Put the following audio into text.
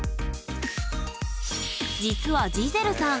実はジゼルさん